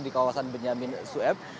di kawasan benyamin suep